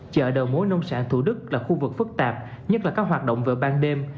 chợ đầu mối nông sản thủ đức là khu vực phức tạp nhất là các hoạt động về ban đêm